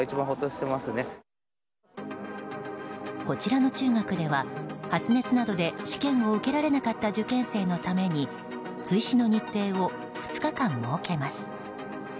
こちらの中学では発熱などで試験を受けられなかった受験生のために追試の日程を２日間設けます。